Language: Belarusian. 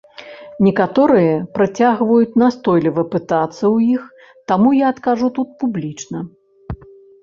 Некаторыя працягваюць настойліва пытацца ў іх, таму я адкажу тут публічна.